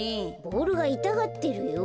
ボールがいたがってるよ。